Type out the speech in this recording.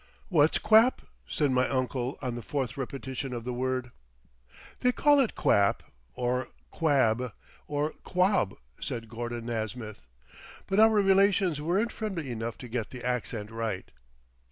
"What's quap?" said my uncle on the fourth repetition of the word. "They call it quap, or quab, or quabb," said Gordon Nasmyth; "but our relations weren't friendly enough to get the accent right....